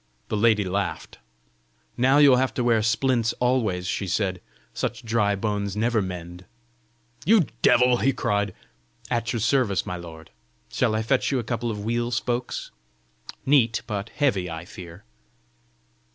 The lady laughed. "Now you will have to wear splints always!" she said; "such dry bones never mend!" "You devil!" he cried. "At your service, my lord! Shall I fetch you a couple of wheel spokes? Neat but heavy, I fear!"